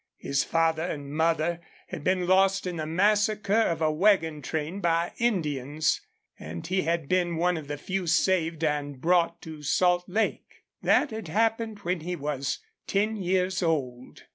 His father and mother had been lost in the massacre of a wagon train by Indians, and he had been one of the few saved and brought to Salt Lake. That had happened when he was ten years old.